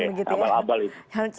boleh abal abal itu